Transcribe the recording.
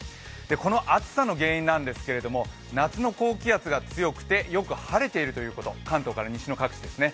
この暑さの原因なんですけれども、夏の高気圧が強くてよく晴れているということ、関東から西の各地ですね。